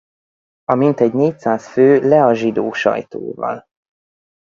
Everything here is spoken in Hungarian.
A mintegy négyszáz fő Le a zsidó sajtóval!